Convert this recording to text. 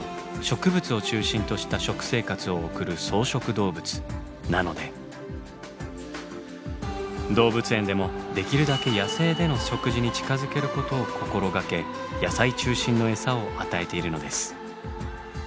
野生のゴリラはなので動物園でもできるだけ野生での食事に近づけることを心がけ野菜中心のエサを与えているのです。